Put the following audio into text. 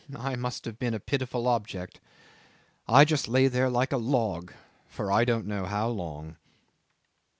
I must have been a pitiful object. I just lay there like a log for I don't know how long."